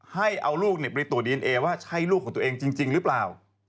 ให้เอาลูกไปตรวจดีเอนเอว่าใช่ลูกของตัวเองจริงหรือเปล่า